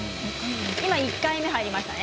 今、１回目入りましたね。